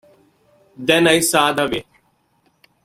Then I saw the way.